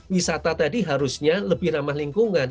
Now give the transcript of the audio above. wisata tadi harusnya lebih ramah lingkungan